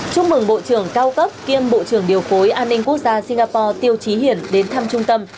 chúc mừng bộ trưởng cao cấp kiêm bộ trưởng điều phối an ninh quốc gia singapore tiêu trí hiển đến thăm trung tâm